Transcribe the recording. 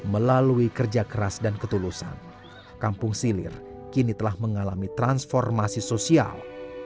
melalui kerja keras dan ketulusan kampung silir kini telah mengalami transformasi sosial